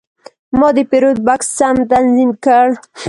ما د پیرود بکس سم تنظیم کړ.